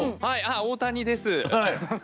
はい大谷です。